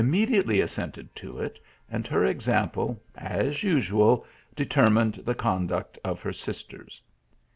151 mediately assented to ft, and her example as usual determined the conduct of her sisters.